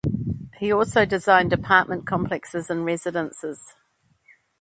He also designed apartment complexes and residences.